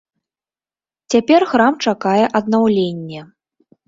Цяпер храм чакае аднаўленне.